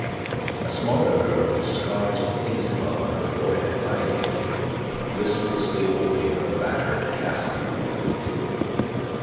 A smaller girl with scars of eczema on her forehead eyed him, listlessly holding her battered caskhoop.